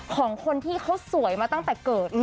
ของคนที่เขาสวยมาตั้งแต่เกิด